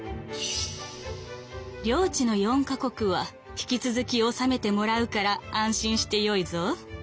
「領地の４か国は引き続き治めてもらうから安心してよいぞ。